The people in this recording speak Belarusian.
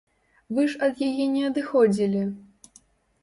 Вы ж ад яе не адыходзілі.